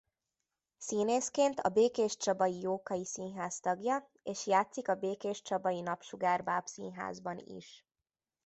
Színészként a Békéscsabai Jókai Színház tagja és játszik a Békéscsabai Napsugár Bábszínházban is.